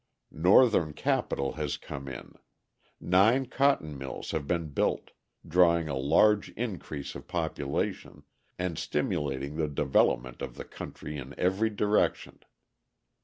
Northern capital has come in; nine cotton mills have been built, drawing a large increase of population, and stimulating the development of the country in every direction.